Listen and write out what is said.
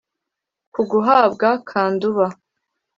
ku gahabwa ka nduba